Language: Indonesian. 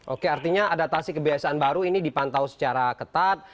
oke artinya adaptasi kebiasaan baru ini dipantau secara ketat